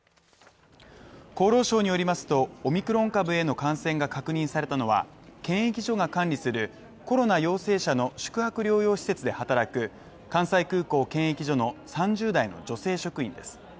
厚労省によりますと、オミクロン株への感染が確認されたのは検疫所が管理するコロナ陽性者の宿泊療養施設で働く関西空港検疫所の３０代の女性職員です。